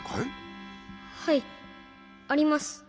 はいあります。